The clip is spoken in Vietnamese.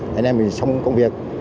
thế nên mình xong công việc